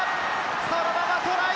そのままトライ！